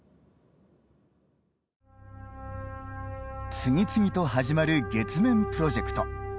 次々と始まる月面プロジェクト。